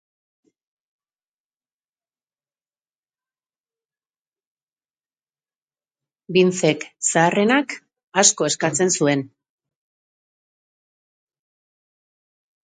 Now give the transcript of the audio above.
Vincek, zaharrenak, asko eskatzen zuen.